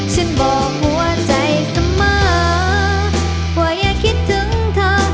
ฉันบอกหัวใจเสมอว่าอย่าคิดถึงเธอ